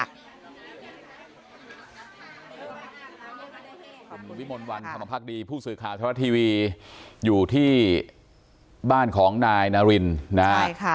คุณวิมลวันธรรมภักดีผู้สื่อข่าวธรรมรัฐทีวีอยู่ที่บ้านของนายนารินนะครับ